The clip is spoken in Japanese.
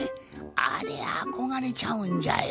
あれあこがれちゃうんじゃよ。